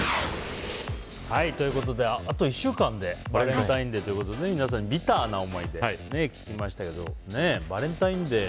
あと１週間でバレンタインデーということで皆さんにビターな思い出を聞きましたけどバレンタインデー